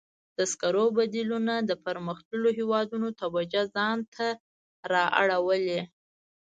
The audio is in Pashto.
د سکرو بدیلونه د پرمختللو هېوادونو توجه ځان ته را اړولې.